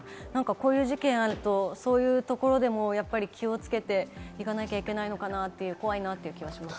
こういう事件があると、そういうところでも気をつけていかなきゃいけないのかなっていう、怖いなという気がします。